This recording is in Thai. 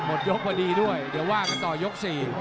หมดยกพอดีด้วยเดี๋ยวว่ากันต่อยก๔